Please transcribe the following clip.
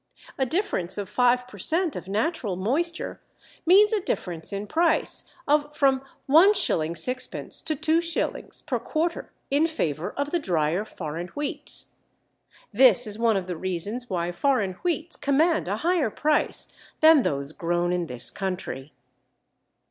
A difference of 5 per cent. of natural moisture means a difference in price of from 1_s._ 6_d._ to 2_s._ per quarter in favour of the drier foreign wheats. This is one of the reasons why foreign wheats command a higher price than those grown in this country.